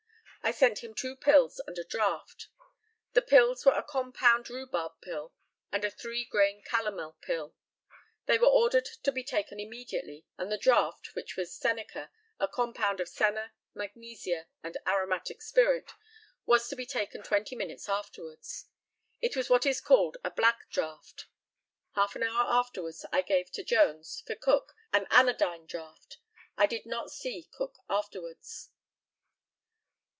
I sent him two pills and a draught. The pills were a compound rhubarb pill and a three grain calomel pill. They were ordered to be taken immediately, and the draught, which was sennica a compound of senna, magnesia, and aromatic spirit was to be taken twenty minutes afterwards. It was what is called a black draught. Half an hour afterwards I gave to Jones, for Cook, an anodyne draught. I did not see Cook afterwards.